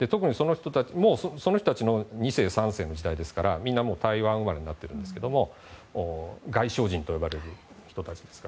もうその人たちの２世、３世の時代ですからみんな台湾生まれなんですけど外省人と呼ばれる人たちですが。